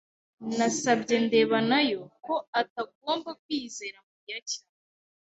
Nasabye ndeba nayo ko atagomba kwizera Mariya cyane.